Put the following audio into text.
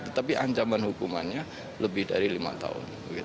tetapi ancaman hukumannya lebih dari lima tahun